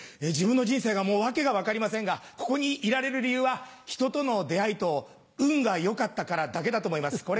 自分の人生が訳が分かりませんがここにいられる理由は人との出会いと運が良かったからだけだと思います。